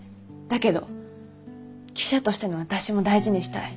だけど記者としての私も大事にしたい。